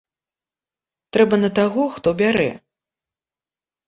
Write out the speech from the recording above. Трэба на таго, хто бярэ.